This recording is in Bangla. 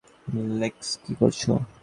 লেক্স, কী করছো?